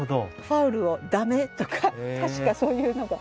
ファウルを「ダメ」とか確かそういうのが。